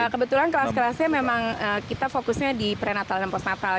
kebetulan kelas kelasnya memang kita fokusnya di prenatal tempos natal